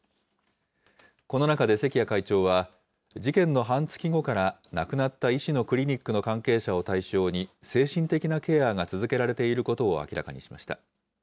この中で関谷会長は、事件の半月後から、亡くなった医師のクリニックの関係者を対象に、精神的なケアが続けられていることを明らかにしました。